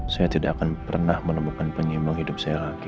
saya tidak akan pernah menemukan penyeimbang hidup saya lagi